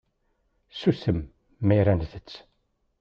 Susem mi ara nttett.